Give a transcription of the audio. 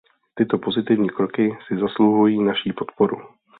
Tyto pozitivní kroky si zasluhují naši podporu.